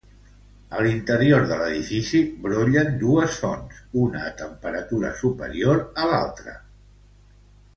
A l'interior de l'edifici brollen dues fonts, una a temperatura superior a l'altra.